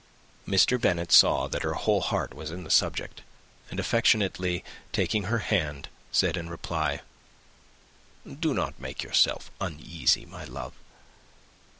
Mr. Bennet saw that her whole heart was in the subject; and, affectionately taking her hand, said, in reply, "Do not make yourself uneasy, my love.